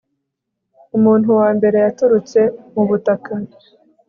umuntu wa mbere yaturutse mu butaka